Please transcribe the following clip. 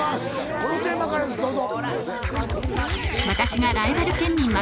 このテーマからですどうぞ。